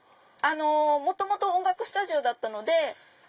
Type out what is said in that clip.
元々音楽スタジオだったので。